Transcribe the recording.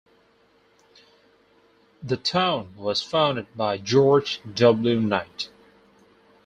The town was founded by George W. Knight.